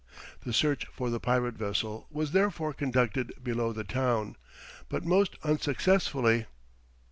The search for the pirate vessel was therefore conducted below the town, but most unsuccessfully.